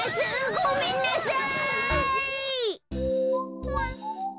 ごめんなさい！